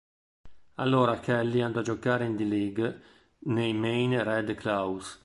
Allora Kelly andò a giocare in D-League nei Maine Red Claws.